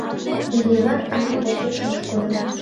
Иллимар Анэ почеш ошкыльо.